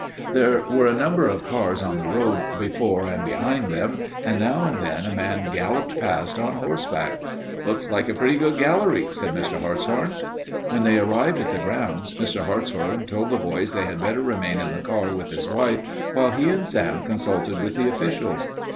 There were a number of cars on the road before and behind them, and now and then a man galloped past on horseback. "Looks like a pretty good gallery," said Mr. Hartshorn. When they arrived at the grounds, Mr. Hartshorn told the boys they had better remain in the car with his wife, while he and Sam consulted with the officials.